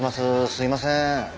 すいません。